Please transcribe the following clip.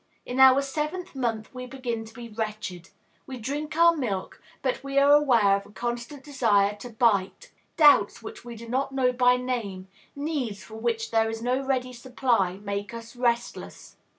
In our seventh month we begin to be wretched. We drink our milk, but we are aware of a constant desire to bite; doubts which we do not know by name, needs for which there is no ready supply, make us restless.